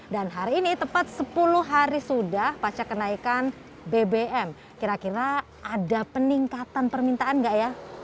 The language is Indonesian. dan hari ini tepat sepuluh hari sudah pacar kenaikan bbm kira kira ada peningkatan permintaan enggak ya